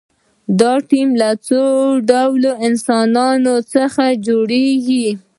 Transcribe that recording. دا ټیم له څو ډوله خلکو څخه جوړیږي.